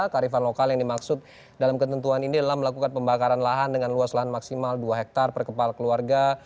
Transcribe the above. karifan lokal yang dimaksud dalam ketentuan ini adalah melakukan pembakaran lahan dengan luas lahan maksimal dua hektare per kepala keluarga